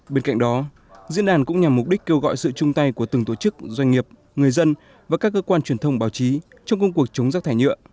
bên cạnh đó diễn đàn cũng nhằm mục đích kêu gọi sự chung tay của từng tổ chức doanh nghiệp người dân và các cơ quan truyền thông báo chí trong công cuộc chống rác thải nhựa